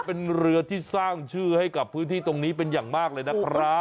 เป็นเรือที่สร้างชื่อให้กับพื้นที่ตรงนี้เป็นอย่างมากเลยนะครับ